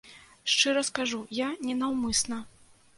Шчыра скажу, я ненаўмысна.